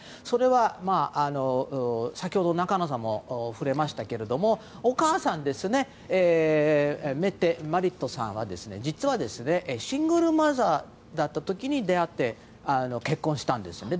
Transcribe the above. それは先ほど中野さんも触れましたけれどもお母さんのメッテ・マリットさんは実は、シングルマザーだった時に出会って結婚したんです。